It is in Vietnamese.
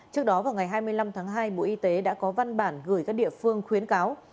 trước đó vào ngày hai mươi năm tháng hai bộ y tế đã có văn bản gửi các địa phương khuyến cáo